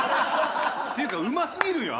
っていうかうますぎるんよ